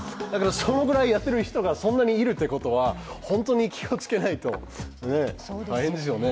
そのぐらいやっている人がそんなにいるということは、本当に気をつけないと大変ですよね。